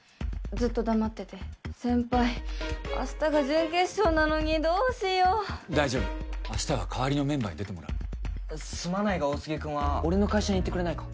ずっと黙ってて先輩明日が準決勝なのにどうしよう大丈夫明日は代わりのメンバーに出てもらうすまないが大杉君は俺の会社に行ってくれないか？